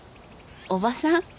おばさん？